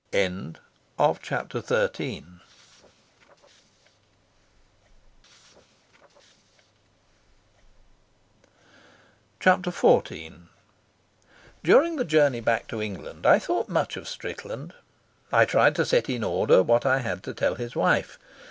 Chapter XIV During the journey back to England I thought much of Strickland. I tried to set in order what I had to tell his wife.